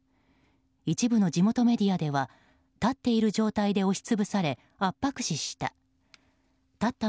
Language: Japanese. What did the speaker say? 一部の地元メディアでは立っている状態で押し潰され圧迫死した。